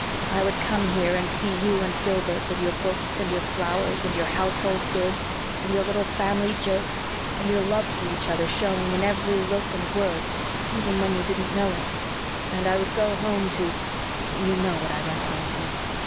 I would come here and see you and Gilbert with your books and your flowers, and your household gods, and your little family jokes and your love for each other showing in every look and word, even when you didn't know it and I would go home to you know what I went home to!